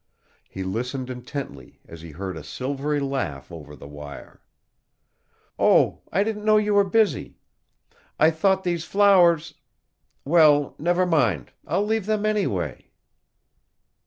He listened intently as he heard a silvery laugh over the wire. "Oh, I didn't know you were busy. I thought these flowers Well, never mind. I'll leave them, anyway."